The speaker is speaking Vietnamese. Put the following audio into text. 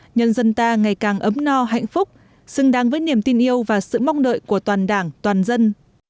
nhân dân ta ngày càng ấm no hạnh phúc xứng đáng với niềm tin yêu và sự mong đợi của toàn đảng toàn dân